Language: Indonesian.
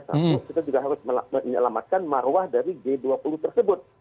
satu kita juga harus menyelamatkan marwah dari g dua puluh tersebut